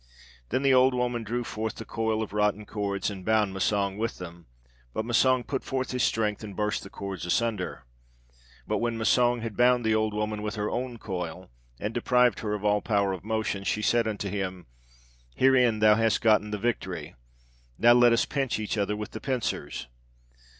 Then the old woman drew forth the coil of rotten cords, and bound Massang with them, but Massang put forth his strength and burst the cords asunder. But when Massang had bound the old woman with her own coil, and deprived her of all power of motion, she said unto him, 'Herein thou hast gotten the victory; now let us pinch each other with the pincers.'